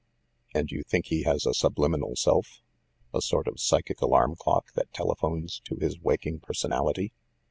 "And you think he has a subliminal self, a sort of psychic alarm clock, that telephones to his waking per sonality?